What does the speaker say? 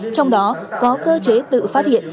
trong đó có cơ chế tự phát hiện